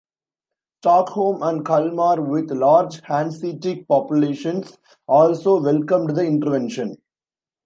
Stockholm and Kalmar, with large Hanseatic populations, also welcomed the intervention.